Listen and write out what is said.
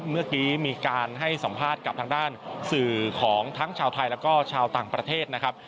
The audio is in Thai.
เมื่อกี้มีการให้สัมภาษณ์กับทางด้านสื่อของทั้งชาวไทยแล้วก็ชาวต่างประเทศนะครับ